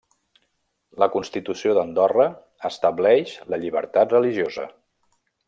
La constitució d'Andorra estableix la llibertat religiosa.